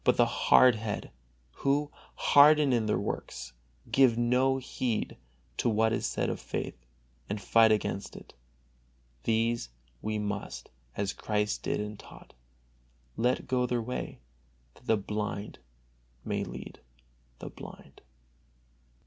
But the hardheaded, who, hardened in their works, give no heed to what is said of faith, and fight against it, these we must, as Christ did and taught, let go their way, that the blind may lead the blind.